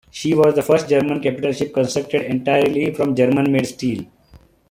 She was the first German capital ship constructed entirely from German-made steel.